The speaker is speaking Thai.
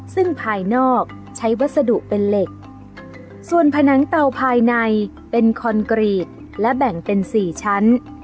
ซึ่งภายนอกใช้วัสดุเป็นเหล็กส่วนผนังเตาภายในเป็นคอนกรีตและแบ่งเป็นสี่ชั้น